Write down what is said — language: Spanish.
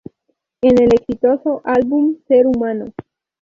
En el exitoso álbum "Ser humano!!